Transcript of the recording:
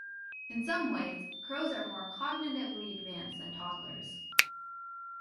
In some ways, crows are more cognitively advanced than toddlers.